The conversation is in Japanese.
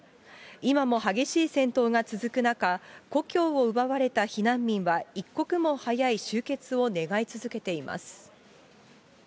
今も激しい戦闘が続く中、故郷を奪われた避難民は、一刻も早い終結を願い続けています。